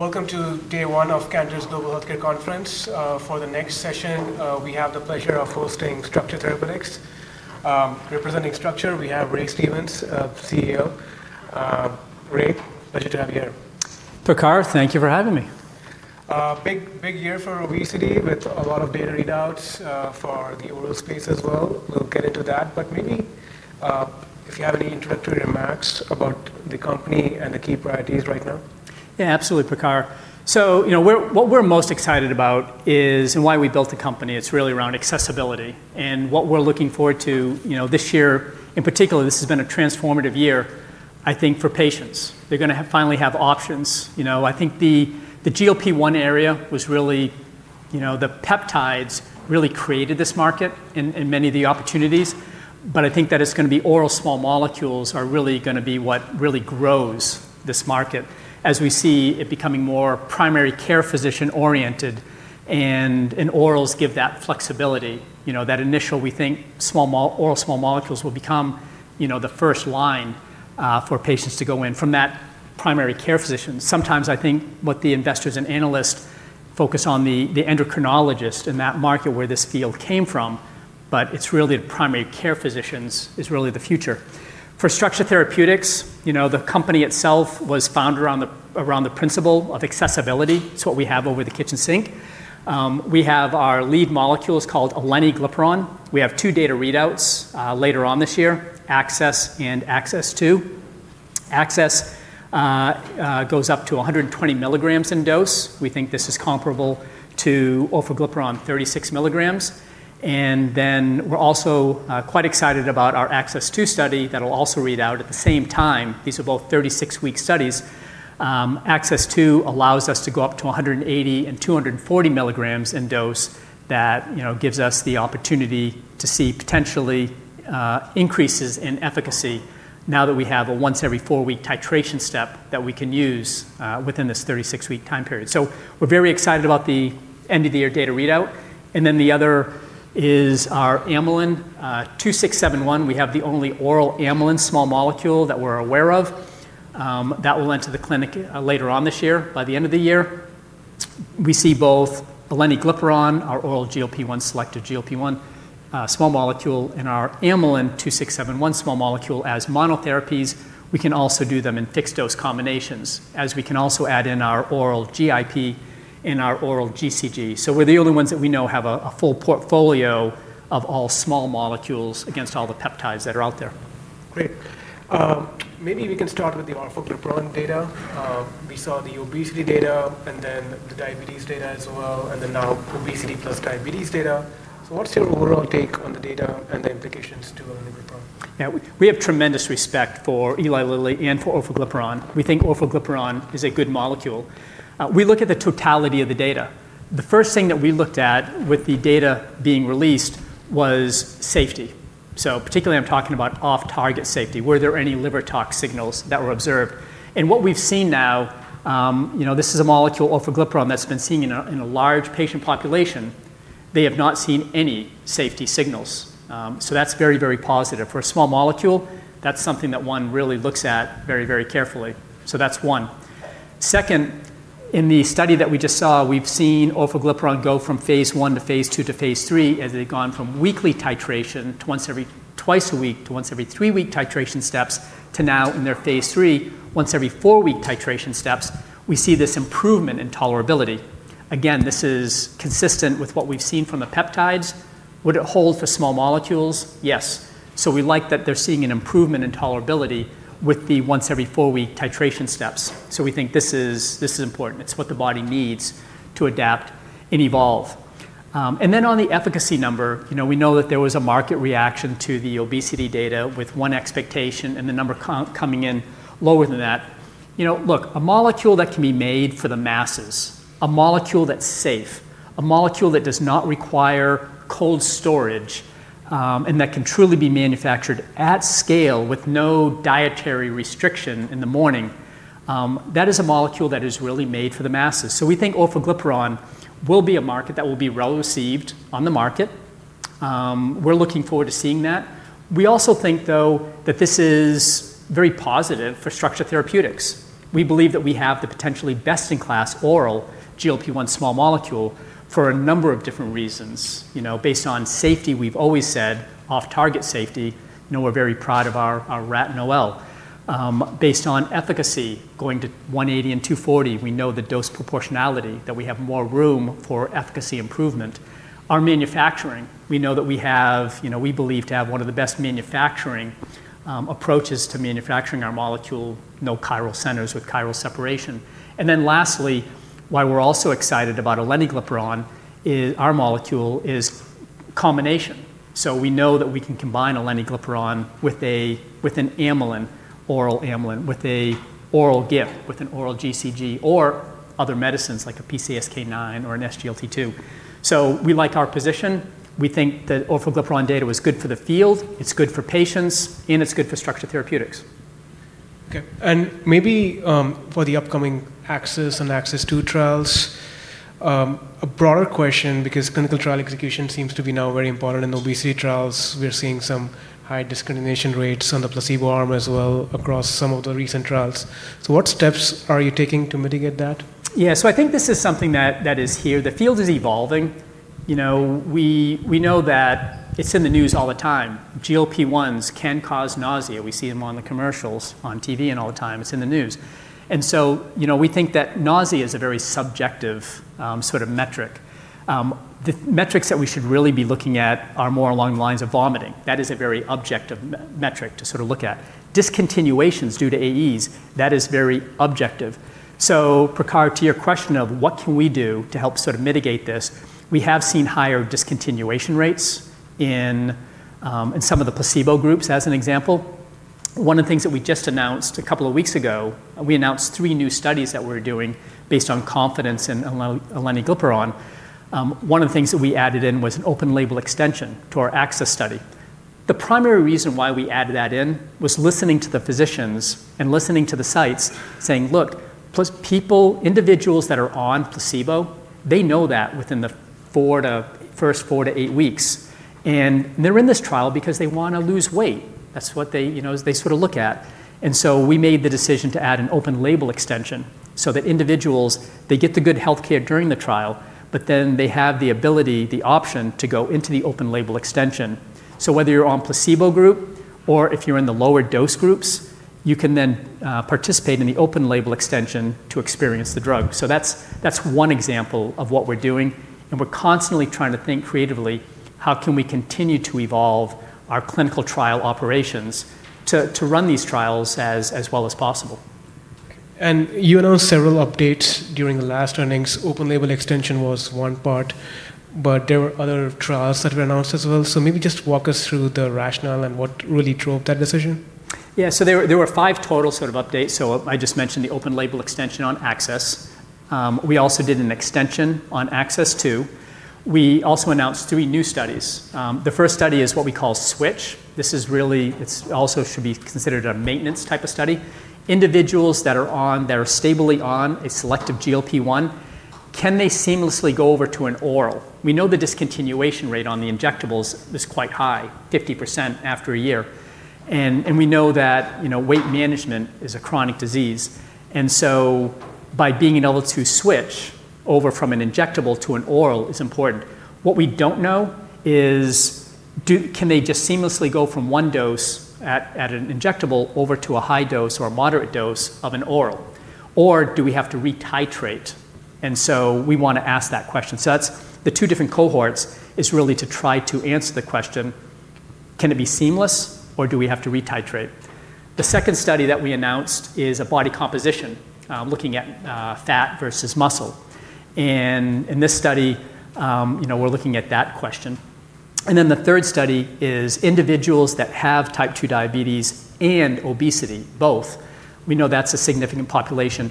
Welcome to day one of Cantor's Global Healthcare Conference. For the next session, we have the pleasure of hosting Structure Therapeutics. Representing Structure, have Ray Stevens, CEO. Ray, pleasure to have you here. Prakhar, thank you for having me. Big year for obesity with a lot of data readouts We'll get into that, but maybe if you have any introductory remarks about the company and the key priorities right now. Yeah. Absolutely, Prakhar. So you know, we're what we're most excited about is and why we built the company, it's really around accessibility. And what we're looking forward to, you know, this year, in particular, this has been a transformative year, I think for patients. They're gonna have finally have options, you know. I think the the GLP one area was really, you know, the peptides really created this market in in many of the opportunities. But I think that it's gonna be oral small molecules are really gonna be what really grows this market as we see it becoming more primary care physician oriented and and orals give that flexibility. Know, that initial we think small oral small molecules will become, you know, the first line, for patients to go in from that primary care physician. Sometimes I think what the investors and analysts focus on the the endocrinologist in that market where this field came from, but it's really the primary care physicians is really the future. For structured therapeutics, you know, the company itself was founded around the around the principle of accessibility. It's what we have over the kitchen sink. We have our lead molecules called aleniglapron. We have two data readouts, later on this year, Access and Access two. Access, goes up to a hundred and twenty milligrams in dose. We think this is comparable to ofligipirone thirty six milligrams. And then we're also, quite excited about our access two study that will also read out at the same time. These are both thirty six week studies. Access two allows us to go up to a hundred and eighty and two hundred and forty milligrams in dose that, you know, gives us the opportunity to see potentially, increases in efficacy now that we have a once every four week titration step that we can use, within this thirty six week time period. So we're very excited about the end of the year data readout. And then the other is our amylin two six seven one. We have the only oral amylin small molecule that we're aware of. That will enter the clinic later on this year. By the end of the year, we see both the leniglipiran, our oral GLP one, selected GLP one small molecule, and our amylin two six seven one small molecule as monotherapies. We can also do them in fixed dose combinations as we can also add in our oral GIP and our oral GCG. So we're the only ones that we know have a full portfolio of all small molecules against all the peptides that are out there. Great. Maybe we can start with the alpha glipron data. We saw the obesity data and then the diabetes data as well, and then now obesity plus diabetes data. So what's your overall take on the data and the implications to oligopril? Yeah. We we have tremendous respect for Eli Lilly and for orfaglipirone. We think orfaglipirone is a good molecule. We look at the totality of the data. The first thing that we looked at with the data being released was safety. So particularly I'm talking about off target safety. Were there any liver tox signals that were observed? And what we've seen now, you know, this is a molecule of oligopril that's been seen in a in a large patient population. They have not seen any safety signals. So that's very, positive. For a small molecule, that's something that one really looks at very, very carefully. So that's one. Second, in the study that we just saw, we've seen ofligipron go from phase one to phase two to phase three as they've gone from weekly titration once every twice a week to once every three week titration steps to now in their phase three, once every four week titration steps, we see this improvement in tolerability. Again, is consistent with what we've seen from the peptides. Would it hold for small molecules? Yes. So we like that they're seeing an improvement in tolerability with the once every four week titration steps. So we think this is this is important. It's what the body needs to adapt and evolve. And then on the efficacy number, you know, we know that there was a market reaction to the obesity data with one expectation and the number coming in lower than that. You know, look, a molecule that can be made for the masses, a molecule that's safe, a molecule that does not require cold storage, and that can truly be manufactured at scale with no dietary restriction in the morning, that is a molecule that is really made for the masses. So we think of olfaglipperon will be a market that will be well received on the market. We're looking forward to seeing that. We also think though that this is very positive for structured therapeutics. We believe that we have the potentially best in class oral GLP-one small molecule for a number of different reasons. You know, based on safety we've always said, off target safety, you know, we're very proud of our our rat Noel. Based on efficacy, going to one hundred eighty and two forty, we know the dose proportionality that we have more room for efficacy improvement. Our manufacturing, we know that we have, you know, we believe to have one of the best manufacturing approaches to manufacturing our molecule, no chiral centers with chiral separation. And then lastly, why we're also excited about oleniglipperon, our molecule is combination. So we know that we can combine a linaglipperon with a with an amylin, oral amylin, with a oral gift, with an oral GCG, or other medicines like a PCSK nine or an SGLT two. So we like our position. We think that orfaglipperon data was good for the field, it's good for patients, and it's good for structured therapeutics. Okay. And maybe for the upcoming AXIS and AXIS two trials, a broader question because clinical trial execution seems to be now very important in obesity trials. We're seeing some high discrimination rates on the placebo arm as well across some of the recent trials. So what steps are you taking to mitigate that? Yeah. So I think this is something that that is here. The field is evolving. You know, we we know that it's in the news all the time. GLP ones can cause nausea. We see them on the commercials on TV and all the time. It's in the news. And so, you know, we think that nausea is a very subjective, sort of metric. The metrics that we should really be looking at are more along the lines of vomiting. That is a very objective metric to sort of look at. Discontinuations due to AEs, that is very objective. So Prakhar, to your question of what can we do to help sort of mitigate this, we have seen higher discontinuation rates in in some of the placebo groups as an example. One of the things that we just announced a couple of weeks ago, we announced three new studies that we're doing based on confidence in eleniglipperon. One of the things that we added in was an open label extension to our access study. The primary reason why we added that in was listening to the physicians and listening to the sites saying, look, plus people, individuals that are on placebo, they know that within the four to first four to eight weeks. And they're in this trial because they wanna lose weight. That's what they, you know, they sort of look at. And so we made the decision to add an open label extension so that individuals, they get the good health care during the trial, but then they have the ability, the option to go into the open label extension. So whether you're on placebo group or if you're in the lower dose groups, you can then, participate in the open label extension to experience the drug. So that's that's one example of what we're doing, and we're constantly trying to think creatively how can we continue to evolve our clinical trial operations to to run these trials as as well as possible. And you announced several updates during the last earnings. Open label extension was one part, but there were other trials that were announced as well. So maybe just walk us through the rationale and what really drove that decision? Yeah. So there were there were five total sort of updates. So I just mentioned the open label extension on access. We also did an extension on access too. We also announced three new studies. The first study is what we call switch. This is really it's also should be considered a maintenance type of study. Individuals that are on that are stably on a selective GLP one, can they seamlessly go over to an oral? We know the discontinuation rate on the injectables is quite high, fifty percent after a year. And and we know that, you know, weight management is a chronic disease. And so by being able to switch over from an injectable to an oral is important. What we don't know is do can they just seamlessly go from one dose at at an injectable over to a high dose or a moderate dose of an oral? Or do we have to retitrate? And so we want to ask that question. So that's the two different cohorts is really to try to answer the question, can it be seamless or do we have to retitrate? The second study that we announced is a body composition, looking at, fat versus muscle. And in this study, you know, we're looking at that question. And then the third study is individuals that have type two diabetes and obesity, both. We know that's a significant population.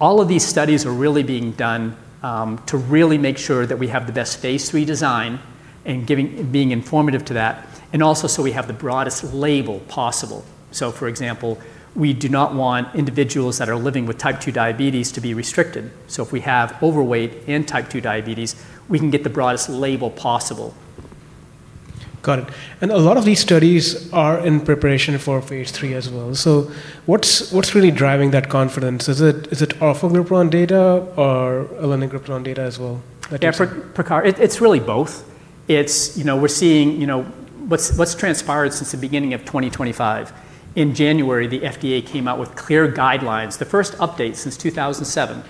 All of these studies are really being done, to really make sure that we have the best phase three design and being informative to that, and also so we have the broadest label possible. So for example, we do not want individuals that are living with type two diabetes to be restricted. So if we have overweight and type two diabetes, we can get the broadest label possible. Got it. And a lot of these studies are in preparation for phase three as well, so what's really driving that confidence? Is it off of Gripen data or alonigripen data as well? Yeah, Picard, it's really both. It's, you know, we're seeing, you know, what's transpired since the beginning of 2025. In January, the FDA came out with clear guidelines, the first update since 02/2007,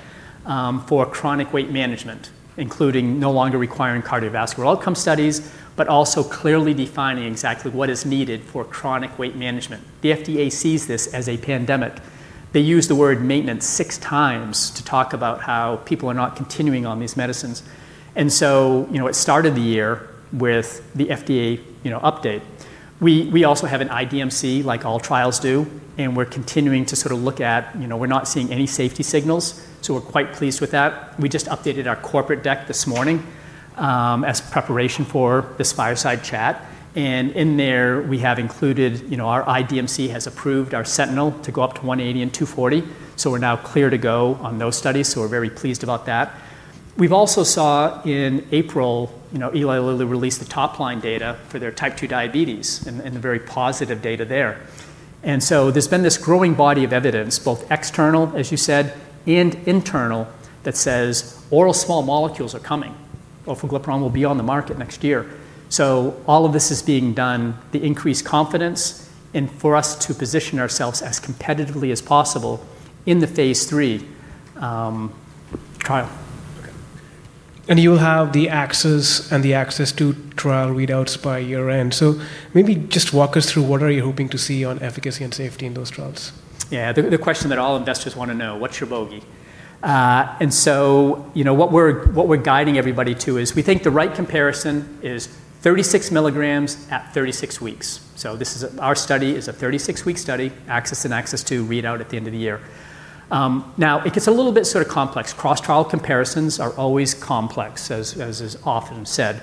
for chronic weight management, including no longer requiring cardiovascular outcome studies, but also clearly defining exactly what is needed for chronic weight management. The FDA sees this as a pandemic. They use the word maintenance six times to talk about how people are not continuing on these medicines. And so, you know, it started the year with the FDA, you know, update. We we also have an IDMC like all trials do, and we're continuing to sort of look at, you know, we're not seeing any safety signals, so we're quite pleased with that. We just updated our corporate deck this morning as preparation for this fireside chat. And in there, we have included, you know, our IDMC has approved our Sentinel to go up to one eighty and two forty. So we're now clear to go on those studies, so we're very pleased about that. We've also saw in April, you know, Eli Lilly released the top line data for their type two diabetes and and the very positive data there. And so there's been this growing body of evidence, both external as you said, and internal that says oral small molecules are coming. Ofagliflozin will be on the market next year. So all of this is being done to increase confidence and for us to position ourselves as competitively as possible in the phase three trial. And you'll have the access and the access to trial readouts by year end. So maybe just walk us through what are you hoping to see on efficacy and safety in those trials? Yeah. The the question that all investors wanna know, what's your bogey? And so, you know, what we're what we're guiding everybody to is we think the right comparison is thirty six milligrams at thirty six weeks. So this is our study is a thirty six week study, access and access to readout at the end of the year. Now it gets a little bit sort of complex. Cross trial comparisons are always complex as as is often said.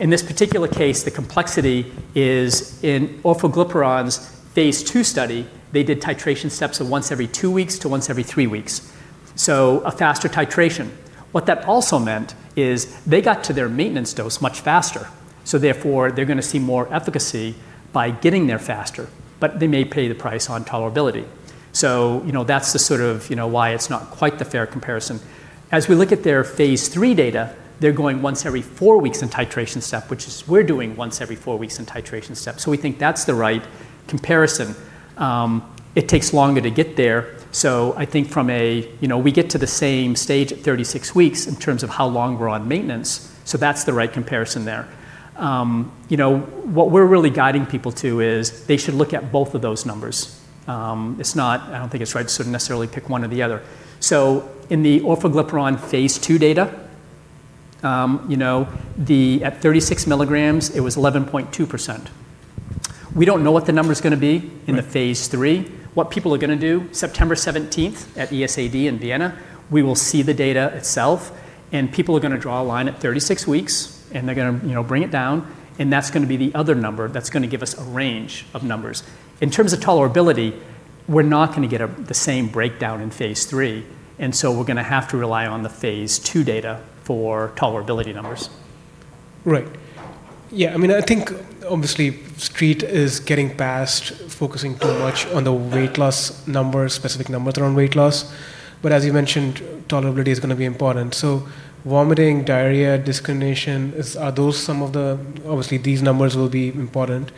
In this particular case, the complexity is in orfaglipirin's phase two study, they did titration steps of once every two weeks to once every three weeks. So a faster titration. What that also meant is they got to their maintenance dose much faster. So therefore, they're gonna see more efficacy by getting there faster, but they may pay the price on tolerability. So, you know, that's the sort of, you know, why it's not quite the fair comparison. As we look at their phase three data, they're going once every four weeks in titration step, which is we're doing once every four weeks in titration step. So we think that's the right comparison. It takes longer to get there. So I think from a, you know, we get to the same stage at thirty six weeks in terms of how long we're on maintenance, so that's the right comparison there. You know, what we're really guiding people to is they should look at both of those numbers. It's not I don't think it's right to necessarily pick one or the other. So in the orfaglipperon phase two data, you know, the at thirty six milligrams, it was eleven point two percent. We don't know what the number's gonna be in the phase three. What people are gonna do, September 17 at ESAD in Vienna, we will see the data itself, and people are gonna draw a line at thirty six weeks, and they're gonna, you know, bring it down, and that's gonna be the other number that's gonna give us a range of numbers. In terms of tolerability, we're not gonna get the same breakdown in phase three, and so we're gonna have to rely on the phase two data for tolerability numbers. Right. Yes. I mean, I think, obviously, Street is getting past focusing too much on the weight loss numbers, specific numbers around weight loss. But as you mentioned, tolerability is going to be important. So vomiting, diarrhea, discrimination, are those some of the obviously, these numbers will be important.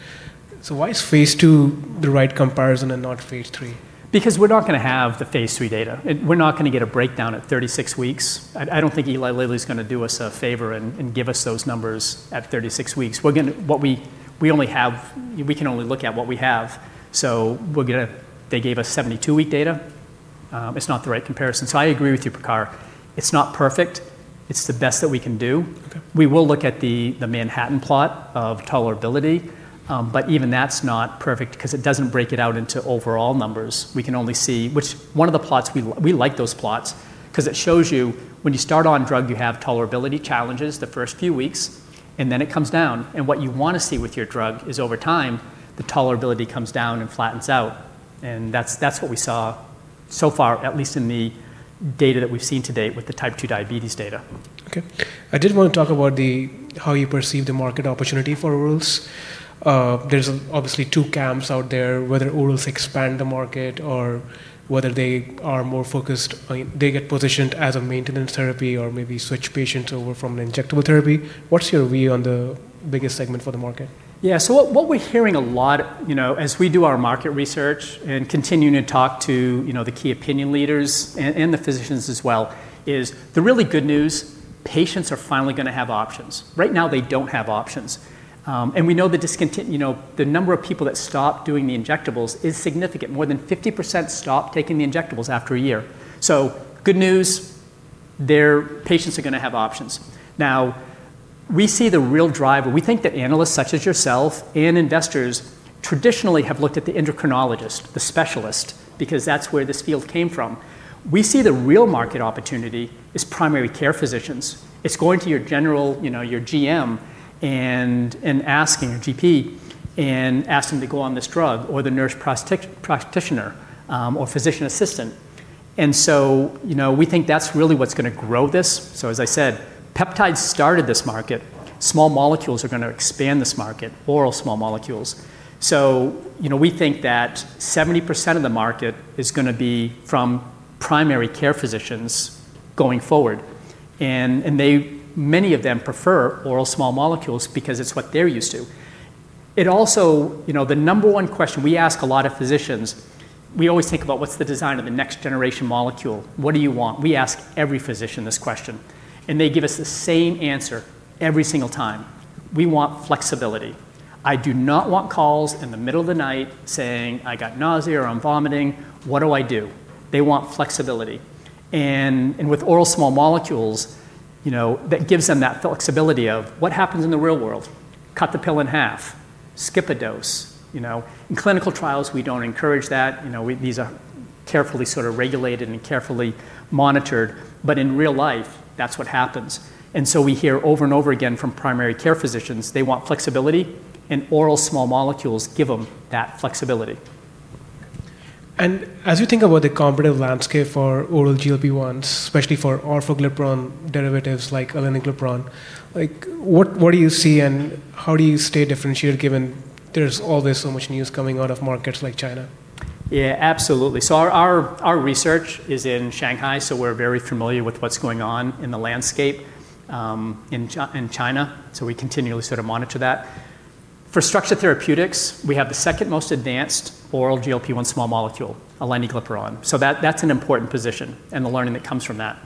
So why is phase two the right comparison and not phase three? Because we're not going to have the phase three data. We're not going to get a breakdown at thirty six weeks. I I don't think Eli Lilly's gonna do us a favor and and give us those numbers at thirty six weeks. We're gonna what we we only have we can only look at what we have, so we're gonna they gave us seventy two week data. It's not the right comparison. So I agree with you, Pikkar. It's not perfect. It's the best that we can do. We will look at the the Manhattan plot of tolerability, but even that's not perfect because it doesn't break it out into overall numbers. We can only see which one of the plots we we like those plots cause it shows you when you start on drug, you have tolerability challenges the first few weeks, and then it comes down. And what you wanna see with your drug is over time, the tolerability comes down and flattens out, and that's that's what we saw so far at least in the data that we've seen to date with the type two diabetes data. Okay. I did want to talk about the how you perceive the market opportunity for urals. There's obviously two camps out there whether urals expand the market or whether they are more focused they get positioned as a maintenance therapy or maybe switch patients over from an injectable therapy. What's your view on the biggest segment for the market? Yeah, so what we're hearing a lot as we do our market research and continuing to talk to, you know, the key opinion leaders and and the physicians as well is the really good news, patients are finally gonna have options. Right now, they don't have options. And we know the discontent you know, the number of people stop doing the injectables is significant. More than fifty percent stop taking the injectables after a year. So good news, their patients are gonna have options. Now, we see the real driver. We think that analysts such as yourself and investors traditionally have looked at the endocrinologist, the specialist, because that's where this field came from. We see the real market opportunity is primary care physicians. It's going to your general, you know, your GM and and asking your GP and ask them to go on this drug or the nurse prospect practitioner, or physician assistant. And so, you know, we think that's really what's gonna grow this. So as I said, peptides started this market. Small molecules are gonna expand this market, oral small molecules. So, you know, we think that 70% of the market is gonna be from primary care physicians going forward. And and they many of them prefer oral small molecules because it's what they're used to. It also you know, the number one question we ask a lot of physicians, we always think about what's the design of the next generation molecule? What do you want? We ask every physician this question, and they give us the same answer every single time. We want flexibility. I do not want calls in the middle of the night saying, got nausea or I'm vomiting. What do I do? They want flexibility. And and with oral small molecules, you know, that gives them that flexibility of what happens in the real world? Cut the pill in half. Skip a dose. You know? In clinical trials, we don't encourage that. You know, we these are carefully sort of regulated and carefully monitored, but in real life, that's what happens. And so we hear over and over again from primary care physicians, they want flexibility, and oral small molecules give them that flexibility. And as you think about the competitive landscape for oral GLP-one, especially for orfoglipron derivatives like aliniglippron, like, what what do you see and how do you stay differentiated given there's always so much news coming out of markets like China? Yeah. Absolutely. So our our our research is in Shanghai, so we're very familiar with what's going on in the landscape in in China, so we continually sort of monitor that. For structured therapeutics, we have the second most advanced oral GLP one small molecule, alenaglipperone. So that that's an important position and the learning that comes from that.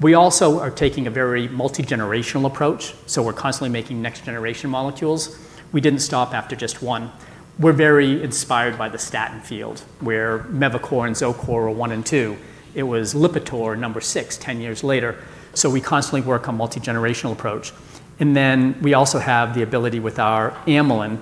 We also are taking a very multigenerational approach, so we're constantly making next generation molecules. We didn't stop after just one. We're very inspired by the statin field where mevacor and zocor are one and two. It was Lipitor number six ten years later. So we constantly work on multigenerational approach. And then we also have the ability with our amylin,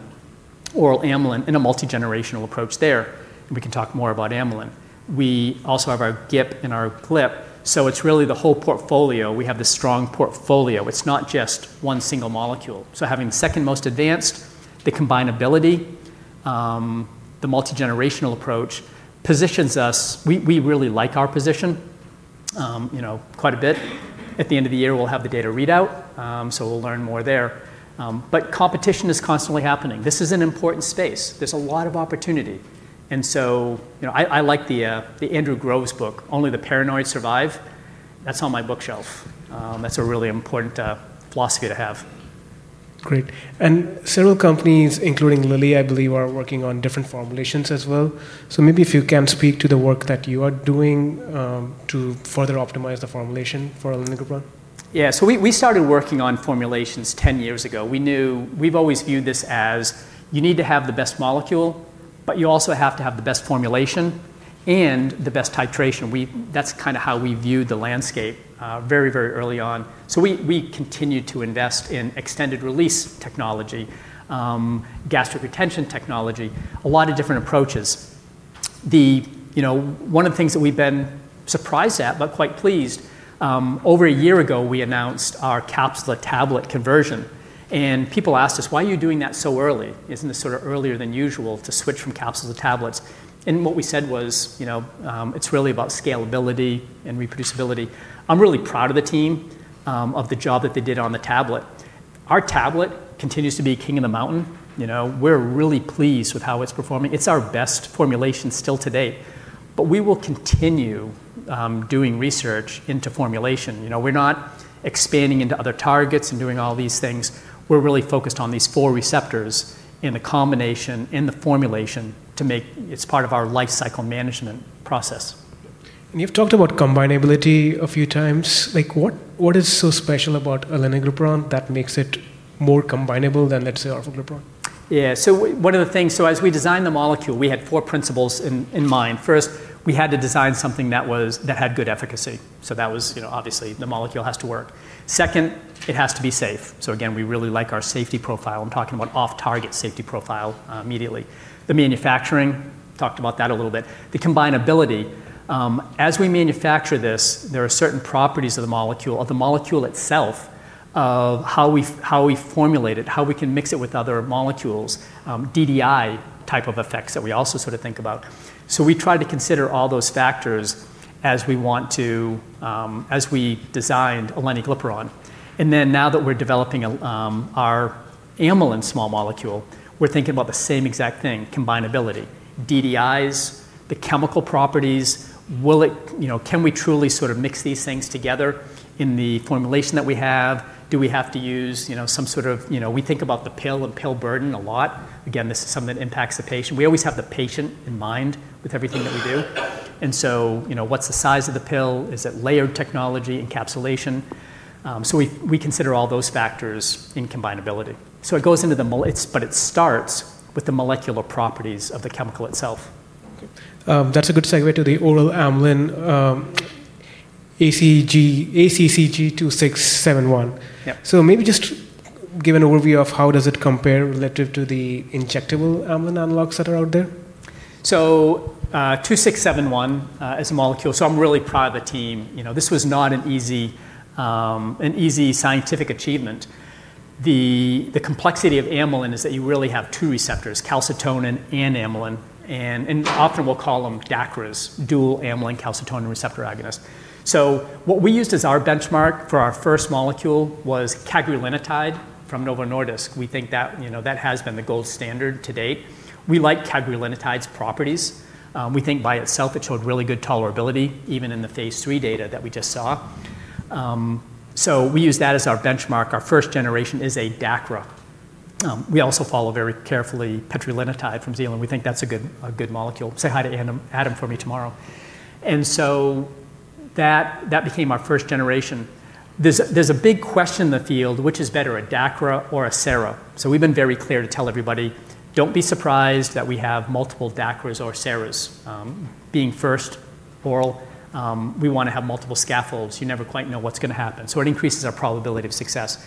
oral amylin in a multigenerational approach there, We can talk more about amylin. We also have our GIP and our GLP. So it's really the whole portfolio. We have this strong portfolio. It's not just one single molecule. So having second most advanced, the combinability, the multi generational approach positions us. We we really like our position, you know, quite a bit. At the end of the year, we'll have the data readout, so we'll learn more there. But competition is constantly happening. This is an important space. There's a lot of opportunity. And so, you know, I I like the the Andrew Grove's book, Only the Paranoid Survive. That's on my bookshelf. That's a really important philosophy to have. Great. And several companies including Lilly, I believe are working on different formulations as well. So maybe if you can speak to the work that you are doing, to further optimize the formulation for oligopril? Yeah. So we we started working on formulations ten years ago. We knew we've always viewed this as you need to have the best molecule, you but also have to have the best formulation and the best titration. We that's kinda how we viewed the landscape, very, very early on. So we we continue to invest in extended release technology, gastric retention technology, a lot of different approaches. The you know, one of the things that we've been surprised at but quite pleased, over a year ago we announced our capsular tablet conversion. And people asked us, why are you doing that so early? Isn't this sort of earlier than usual to switch from capsules to tablets? And what we said was, you know, it's really about scalability and reproducibility. I'm really proud of the team, of the job that they did on the tablet. Our tablet continues to be king of the mountain, you know. We're really pleased with how it's performing. It's our best formulation still to date, but we will continue, doing research into formulation. You know, we're not expanding into other targets and doing all these things. We're really focused on these four receptors in the combination, in the formulation to make it's part of our life cycle management process. And you've talked about combinability a few times. Like what what is so special about alenagliptor that makes it more combinable than let's say arfagropropone? Yeah. So one of the things so as we designed the molecule, had four principles in in mind. First, we had to design something that was that had good efficacy. So that was, you know, obviously, the molecule has to work. Second, it has to be safe. So again, we really like our safety profile. I'm talking about off target safety profile, immediately. The manufacturing, talked about that a little bit. The combinability, as we manufacture this, there are certain properties of the molecule, of the molecule itself, of how we how we formulate it, how we can mix it with other molecules, DDI type of effects that we also sort of think about. So we try to consider all those factors as we want to as we designed oliglipperon. And then now that we're developing, our amylin small molecule, we're thinking about the same exact thing, combinability. DDIs, the chemical properties, will it you know, can we truly sort of mix these things together in the formulation that we have? Do we have to use, you know, some sort of you know, we think about the pill and pill burden a lot. Again, this is something that impacts the patient. We always have the patient in mind with everything that we do. And so, you know, what's the size of the pill? Is it layered technology encapsulation? So we we consider all those factors in combinability. So it goes into the but it starts with the molecular properties of the chemical itself. That's a good segue to the oral amylin ACG ACCG two thousand six hundred seventy one. So maybe just give an overview of how does it compare relative to the injectable amylin analogs that are out there? So 2,671 is a molecule, so I'm really proud of the team. This was not an easy, an easy scientific achievement. The the complexity of amylin is that you really have two receptors, calcitonin and amylin, and and often we'll call them DACRAs, dual amylin calcitonin receptor agonist. So what we used as our benchmark for our first molecule was cagrelinotide from Novo Nordisk. We think that, you know, that has been the gold standard to date. We like cagrelinotide's properties. We think by itself it showed really good tolerability even in the phase three data that we just saw. So we use that as our benchmark. Our first generation is a DACRA. We also follow very carefully petrolinotide from Zealand. We think that's a good a good molecule. Say hi to Adam Adam for me tomorrow. And so that that became our first generation. There's there's a big question in the field, which is better, a DACRA or a sera? So we've been very clear to tell everybody, don't be surprised that we have multiple DACRAs or seras. Being first oral, we want to have multiple scaffolds, you never quite know what's gonna happen. So it increases our probability of success.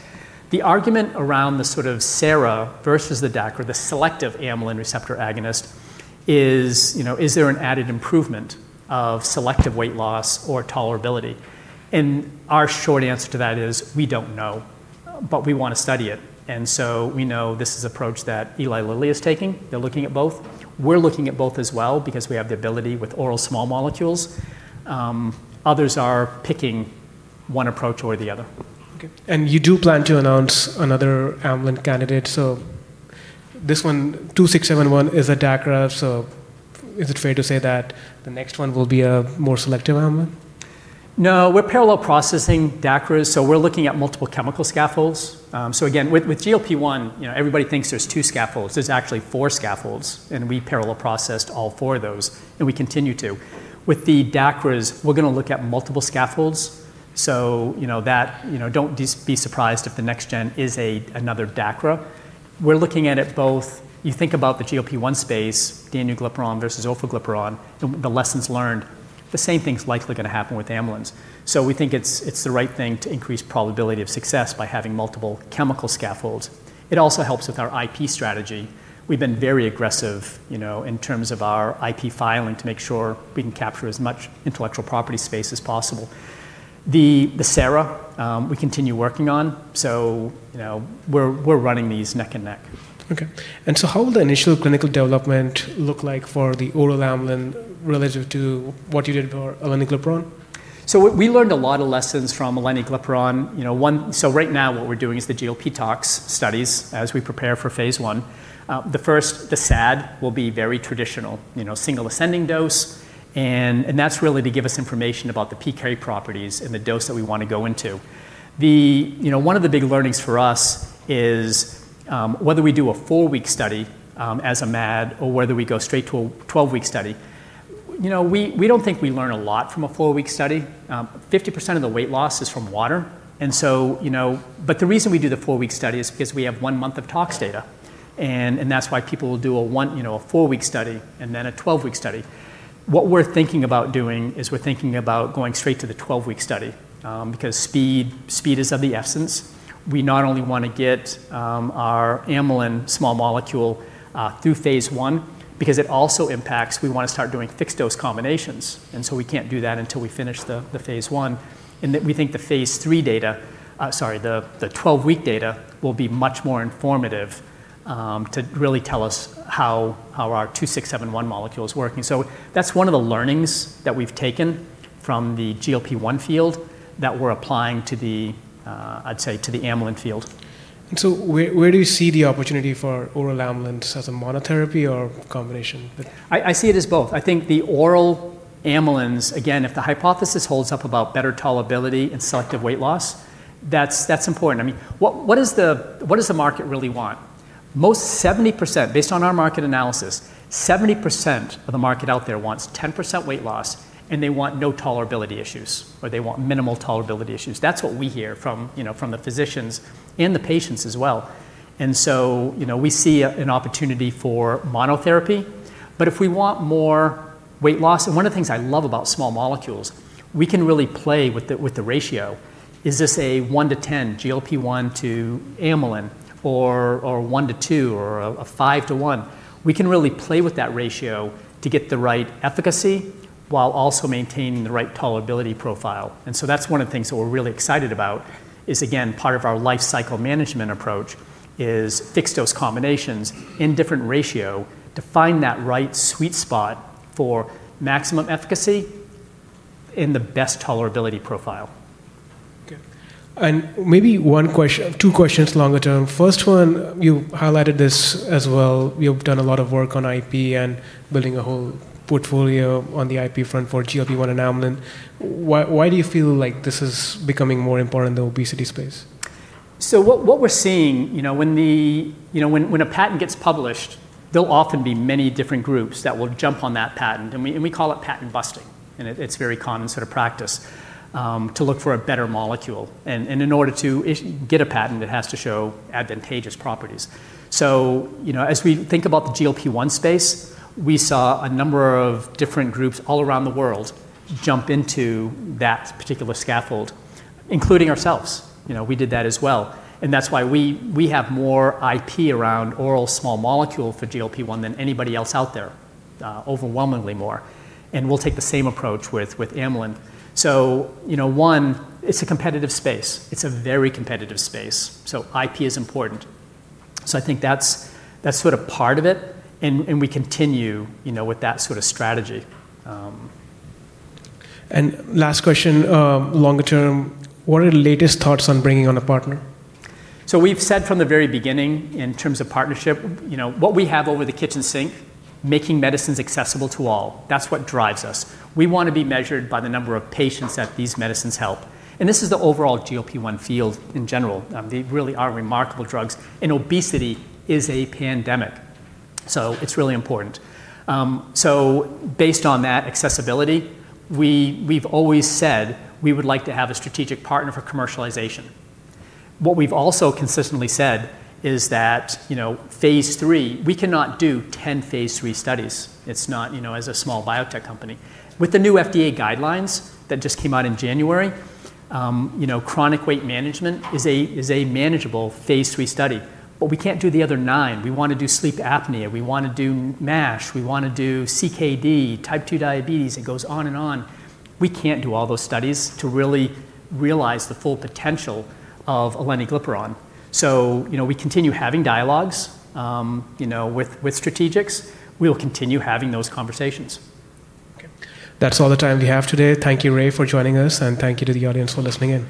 The argument around the sort of SARA versus the DACRA, the selective amylin receptor agonist is, you know, is there an added improvement of selective weight loss or tolerability? And our short answer to that is we don't know, but we want to study it. And so we know this is approach that Eli Lilly is taking. They're looking at both. We're looking at both as well because we have the ability with oral small molecules. Others are picking one approach or the other. Okay. And you do plan to announce another Amlan candidate. This one, 2671 is a dacraft, so is it fair to say that the next one will be a more selective element? No. We're parallel processing Dacras, so we're looking at multiple chemical scaffolds. So again, with GLP-one, everybody thinks there's two scaffolds. There's actually four scaffolds, and we parallel processed all four of those, and we continue to. With the DACRAs, we're gonna look at multiple scaffolds. So, you know, that you know, don't be surprised if the next gen is a another DACRA. We're looking at it both you think about the g o p one space, danuglipperon versus ofogliparone, the lessons learned, the same thing's likely gonna happen with amylins. So we think it's it's the right thing to increase probability of success by having multiple chemical scaffolds. It also helps with our IP strategy. We've been very aggressive, you know, in terms of our IP filing to make sure we can capture as much intellectual property space as possible. The CERA, we continue working on, so, you know, we're we're running these neck and neck. Okay. And so how will the initial clinical development look like for the oral amylin relative to what you did for eleniglipperone? So we learned a lot of lessons from eleniglipperone. You know, one so right now what we're doing is the GLP tox studies as we prepare for phase one. The first, the SAD, will be very traditional, you know, single ascending dose, and and that's really to give us information about the pKa properties and the dose that we want to go into. The you know, one of the big learnings for us is whether we do a four week study as a MAD or whether we go straight to a twelve week study. You know, we we don't think we learn a lot from a four week study. 50% of the weight loss is from water, and so, you know but the reason we do the four week study is because we have one month of tox data, and and that's why people will do a one you know, a four week study and then a twelve week study. What we're thinking about doing is we're thinking about going straight to the twelve week study, because speed speed is of the essence. We not only wanna get our amylin small molecule through phase one because it also impacts we wanna start doing fixed dose combinations, and so we can't do that until we finish the the phase one. And that we think the phase three data, sorry, the the twelve week data will be much more informative, to really tell us how how our two six seven one molecule is working. So that's one of the learnings that we've taken from the GLP one field that we're applying to the, I'd say, the amylin field. And so where where do you see the opportunity for oral amylin? Is a monotherapy or combination? I I see it as both. I think the oral amylins, again, if the hypothesis holds up about better tolerability and selective weight loss, that's that's important. I mean, what what is the what does the market really want? Most 70%, based on our market analysis, 70% of the market out there wants 10% weight loss, and they want no tolerability issues, or they want minimal tolerability issues. That's what we hear from, you know, from the physicians and the patients as well. And so, you know, we see an opportunity for monotherapy. But if we want more weight loss and one of the things I love about small molecules, we can really play with the with the ratio. Is this a one to 10 GLP one to amylin, or or one to two, or a five to one? We can really play with that ratio to get the right efficacy while also maintaining the right tolerability profile. And so that's one of things that we're really excited about is, again, part of our life cycle management approach is fixed dose combinations in different ratio to find that right sweet spot for maximum efficacy in the best tolerability profile. Okay. And maybe one question two questions longer term. First one, you highlighted this as well. You've done a lot of work on IP and building a whole portfolio on the IP front for GLP one and Amlin. Why why do you feel like this is becoming more important in obesity space? So what what we're seeing, you know, when the you know, when when a patent gets published, there'll often be many different groups that will jump on that patent, and we and we call it patent busting, and it it's very common sort of practice, to look for a better molecule. And and in order to get a patent, it has to show advantageous properties. So, you know, as we think about the GLP one space, we saw a number of different groups all around the world jump into that particular scaffold, including ourselves. You know, we did that as well. And that's why we we have more IP around oral small molecule for GLP one than anybody else out there, overwhelmingly more. And we'll take the same approach with with Amylin. So, you know, one, it's a competitive space. It's a very competitive space, so IP is important. So I think that's that's sort of part of it, and and we continue, you know, with that sort of strategy. And last question, longer term, what are the latest thoughts on bringing on a partner? So we've said from the very beginning in terms of partnership, you know, what we have over the kitchen sink, making medicines accessible to all. That's what drives us. We want to be measured by the number of patients that these medicines help. And this is the overall g o p one field in general. They really are remarkable drugs, and obesity is a pandemic, so it's really important. So based on that accessibility, we we've always said we would like to have a strategic partner for commercialization. What we've also consistently said is that, you know, phase three, we cannot do 10 phase three studies. It's not, you know, as a small biotech company. With the new FDA guidelines that just came out in January, you know, chronic weight management is a is a manageable phase three study. But we can't do the other nine. We wanna do sleep apnea. We wanna do mash. We wanna do CKD, type two diabetes. It goes on and on. We can't do all those studies to really realize the full potential of eleniglipperon. So, you know, we continue having dialogues, you know, with with strategics. We will continue having those conversations. Okay. That's all the time we have today. Thank you, Ray, for joining us, and thank you to the audience for listening in.